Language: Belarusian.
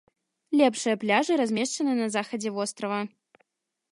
Лепшыя пляжы размешчаны на захадзе вострава.